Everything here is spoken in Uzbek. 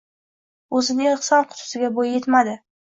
Oʻzini ehson qutisiga boʻyi yetmadi...